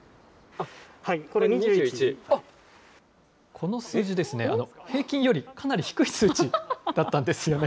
この数字ですね、平均よりかなり低い数値だったんですよね。